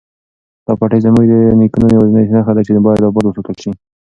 دا پټی زموږ د نیکونو یوازینۍ نښه ده چې باید اباد وساتل شي.